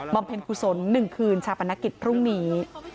บคุศลหนึ่งคืนชาปนกิจพรุ่งนี้